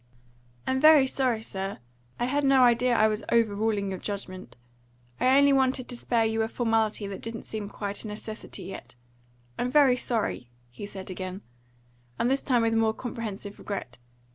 "I'm very sorry, sir. I had no idea I was over ruling your judgment. I only wanted to spare you a formality that didn't seem quite a necessity yet. I'm very sorry," he said again, and this time with more comprehensive regret.